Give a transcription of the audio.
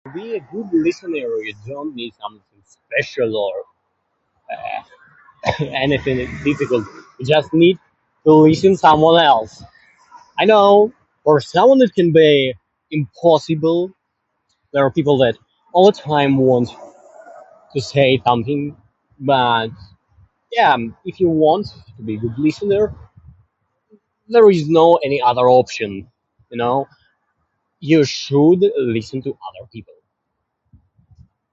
To be a good listener you don't need something special or, uh, anything physical. You just need to listen someone else. I know for someone it can be... impossible! There are people that all the time want to say something. But yeah, if you want to be a good listener, there is no any other option, you know? You should listen to other people.